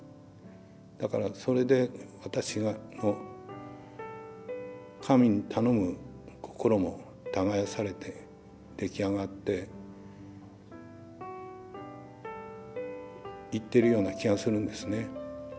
だからそれで私の神に頼む心も耕されて出来上がっていってるような気がするんですね。